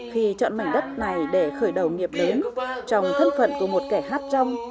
khi chọn mảnh đất này để khởi đầu nghiệp đến trong thân phận của một kẻ hát trong